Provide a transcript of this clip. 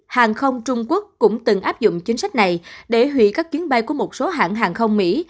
hàng không trung quốc cũng từng áp dụng chính sách này để hủy các chuyến bay của một số hãng hàng không mỹ